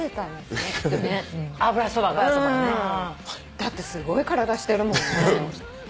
だってすごい体してるもんね。